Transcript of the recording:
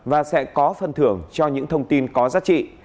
và sẽ có phân thưởng cho những thông tin có giá trị